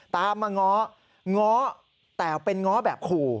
ตามมาง้อง้อแต่เป็นง้อแบบขู่